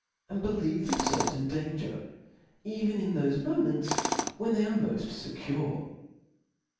^*^^"»^^^ believe ihemfelves in danger, even in thole moments when they are moft fe^cure.